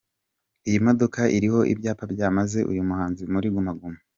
Iyi modoka iriho ibyapa byamamaze uyu muhanzi muri Guma Guma.